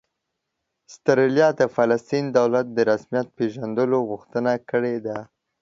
استرالیا د فلسطیني دولت د رسمیت پېژندلو غوښتنه کړې ده